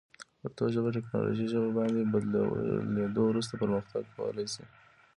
پښتو ژبه تکنالوژي ژبې باندې بدلیدو وروسته پرمختګ کولی شي.